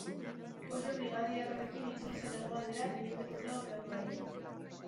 Ollo brigadierrarekin itzuli zen hegoaldera teniente koronel graduarekin.